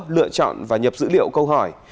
lựa chọn và nhập dữ liệu câu hỏi